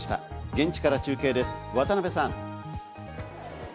現地から中継です、渡邊さん。